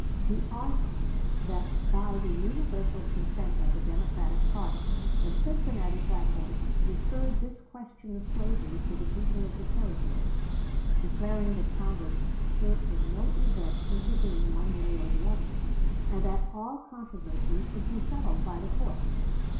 He argued that, by the universal consent of the Democratic party, the Cincinnati platform referred this question of slavery to the people of the Territories, declaring that Congress should in no event intervene one way or the other, and that all controversies should be settled by the courts.